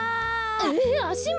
えあしも！？